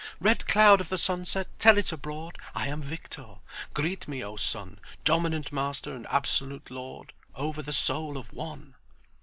"Red cloud of the sunset, tell it abroad; I am victor. Greet me O Sun, Dominant master and absolute lord Over the soul of one!"